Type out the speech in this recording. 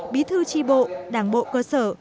bí thư tri bộ đảng bộ cơ sở